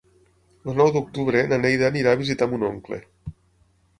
El nou d'octubre na Neida anirà a visitar mon oncle.